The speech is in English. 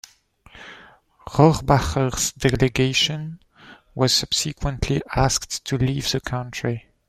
Rohrabacher's delegation was subsequently asked to leave the country.